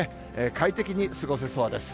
快適に過ごせそうです。